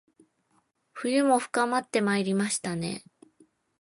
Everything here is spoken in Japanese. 冬も深まってまいりましたね